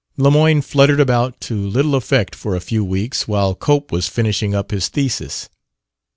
Lemoyne fluttered about to little effect for a few weeks, while Cope was finishing up his thesis.